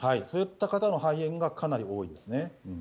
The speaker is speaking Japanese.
そういった方の肺炎がかなり多いですね。